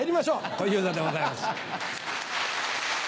小遊三でございます。